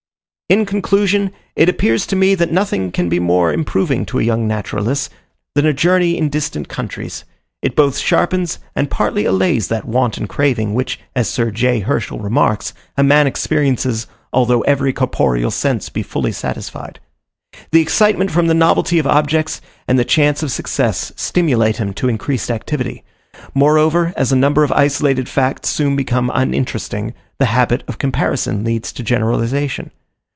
In conclusion, it appears to me that nothing can be more improving to a young naturalist, than a journey in distant countries. It both sharpens, and partly allays that want and craving, which, as Sir J. Herschel remarks, a man experiences although every corporeal sense be fully satisfied. The excitement from the novelty of objects, and the chance of success, stimulate him to increased activity. Moreover, as a number of isolated facts soon become uninteresting, the habit of comparison leads to generalization.